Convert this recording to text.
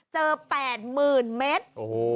เจอ๘๐๐๐๐เมตร